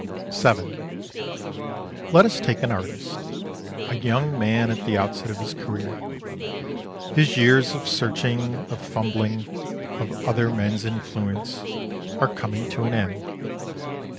VII Let us take an artist, a young man at the outset of his career. His years of searching, of fumbling, of other men's influence, are coming to an end.